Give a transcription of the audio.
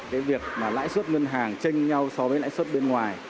về việc lãi suất ngân hàng chênh nhau so với lãi suất bên ngoài